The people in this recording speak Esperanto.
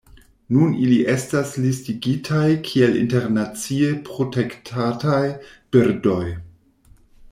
Nun ili estas listigitaj kiel internacie protektataj birdoj.